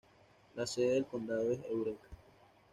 La sede del condado es Eureka.